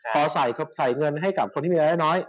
พอใส่เงินให้กับคนที่มีรายได้น้อย